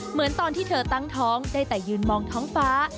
เหมือนตอนที่เธอตั้งท้องได้แต่ยืนมองท้องฟ้า